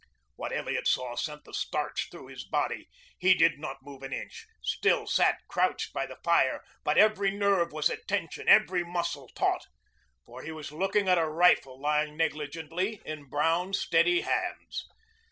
What Elliot saw sent the starch through his body. He did not move an inch, still sat crouched by the fire, but every nerve was at tension, every muscle taut. For he was looking at a rifle lying negligently in brown, steady hands.